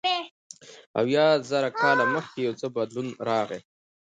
اویا زره کاله مخکې یو څه بدلون راغی.